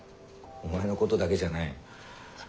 お前のことだけじゃない。